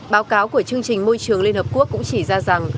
báo cáo của chương trình môi trường liên hợp quốc cũng chỉ ra rằng